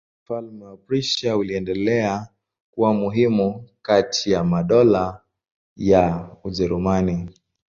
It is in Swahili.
Ufalme wa Prussia uliendelea kuwa muhimu kati ya madola ya Ujerumani.